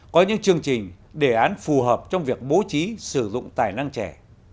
có những chương trình đề án phù hợp trong việc bố trí sử dụng tài năng trẻ